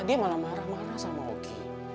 dia malah marah marah sama oki